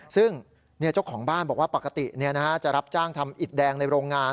ซึ่งเจ้าของบ้านบอกว่าปกติจะรับจ้างทำอิดแดงในโรงงาน